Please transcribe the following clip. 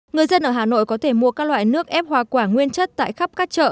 người dân ở hà nội có thể mua các loại nước ép hoa quả nguyên chất tại khắp các chợ